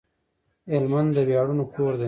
هلمند د وياړونو کور دی